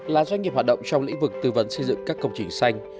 là doanh nghiệp hoạt động trong lĩnh vực tư vấn xây dựng các công trình xanh